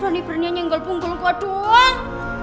dhani bernianya ngelbung gelung gua doang